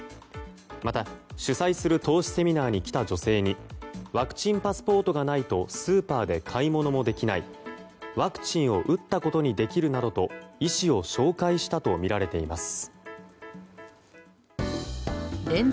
また、主催する投資セミナーに来た女性にワクチンパスポートがないとスーパーで買い物もできないワクチンを打ったことにできるなどと医師を紹介したとみられています。